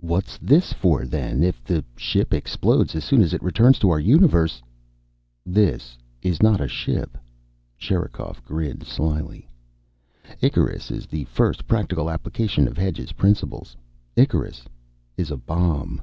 "What's this for, then? If the ship explodes as soon as it returns to our universe " "This is not a ship." Sherikov grinned slyly. "Icarus is the first practical application of Hedge's principles. Icarus is a bomb."